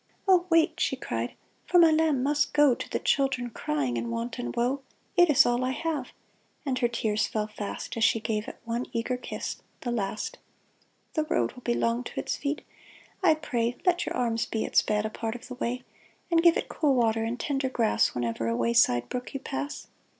" Oh, wait !" she cried, " for my lamb must go To the children crying in want and woe. It is all I have." And her tears fell fast As she gave it one eager kiss — the last. " The road will be long to its feet. I pray Let your arms be its bed a part of the way ; And give it cool water and tender grass Whenever a way side brook you pass."